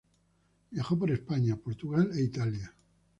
Viajó por España, Portugal e Italia.